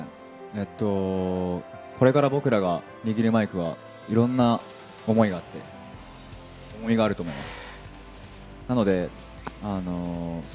これから僕らが握るマイクはいろんな思いがあって、重みがあると思います。